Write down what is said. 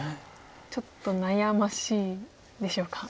ちょっと悩ましいんでしょうか。